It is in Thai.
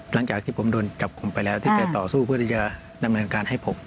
หลังจากที่ผมโดนจับกลุ่มไปแล้วที่แกต่อสู้เพื่อที่จะดำเนินการให้ผม